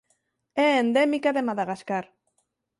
É endémica de Madagascar.